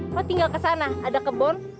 kok tinggal kesana ada kebon